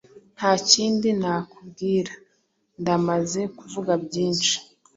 Nta kindi nakubwira. Ndamaze kuvuga byinshi.